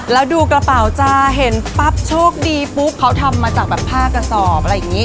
เราจะเห็นปั๊บโชคดีปุ๊บเขาทำมาจากผ้ากระสอบอะไรอย่างนี้